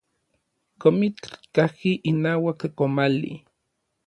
Komitl kajki inauak komali.